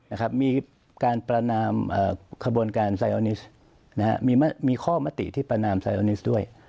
นะครับมีการประนามขบวนการไซออนิสนะฮะมีข้อมติที่ประนามไซโอนิสด้วย